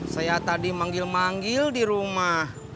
saya tadi manggil manggil di rumah